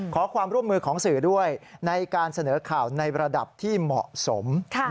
ขอความร่วมมือของสื่อด้วยในการเสนอข่าวในระดับที่เหมาะสม